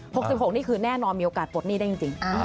หกนี่คือแน่นอนมีโอกาสปลดหนี้ได้จริง